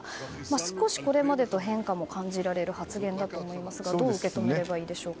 少しこれまでと変化も感じられる発言だと思いますがどう受け止めればいいでしょうか？